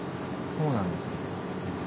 そうなんですね。